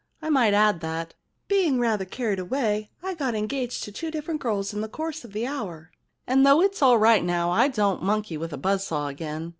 I might add that, being rather carried away, I got engaged to two different girls in the course of the hour, and though it's all right now, I don't monkey with a buzz saw again.